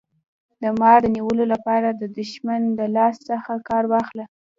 د مار د نیولو لپاره د دښمن د لاس څخه کار واخله.